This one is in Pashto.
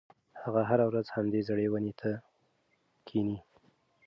هغه هره ورځ همدې زړې ونې ته کښېني.